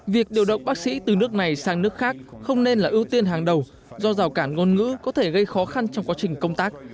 việc điều động bác sĩ từ nước này sang nước khác không nên là ưu tiên hàng đầu do rào cản ngôn ngữ có thể gây khó khăn trong quá trình công tác